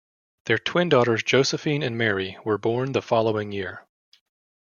Their twin daughters, Josephine and Mary, were born the following year.